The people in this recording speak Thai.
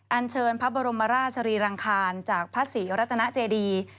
อันเชิญพระบรมราชสรีรังคารจากพระศรีรัตนาเจดี